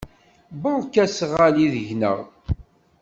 Berka asɣalli deg-neɣ.